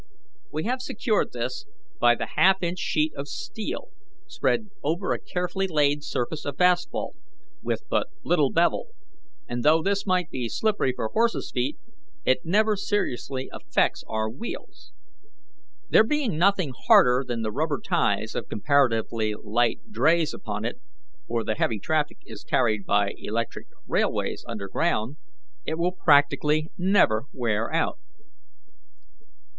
We have secured this by the half inch sheet of steel spread over a carefully laid surface of asphalt, with but little bevel; and though this might be slippery for horses' feet, it never seriously affects our wheels. There being nothing harder than the rubber ties of comparatively light drays upon it for the heavy traffic is carried by electric railways under ground it will practically never wear out.